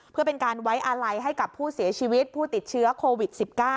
เพื่อเป็นการไว้อาลัยให้กับผู้เสียชีวิตผู้ติดเชื้อโควิด๑๙